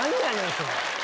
それ。